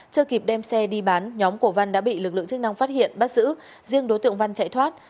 chưa kịp đem xe đi bán nhóm của văn đã bị lực lượng chức năng phát hiện bắt giữ riêng đối tượng văn chạy thoát